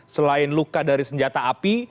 selain luka dari senjata api